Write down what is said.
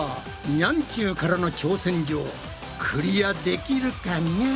ニャンちゅうからの挑戦状クリアできるかニャ？